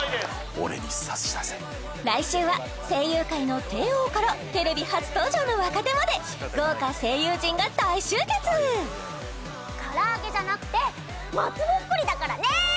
俺に差し出せ来週は声優界の帝王からテレビ初登場の若手まで豪華声優陣が大集結唐揚げじゃなくて松ぼっくりだからね！